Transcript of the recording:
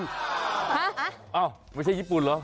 ฮะอ้าวไม่ใช่ญี่ปุ่นเหรอ